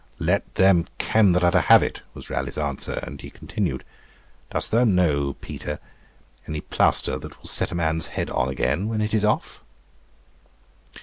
'Let them kem that are to have it,' was Raleigh's answer; and he continued, 'Dost thou know, Peter, any plaister that will set a man's head on again, when it is off?'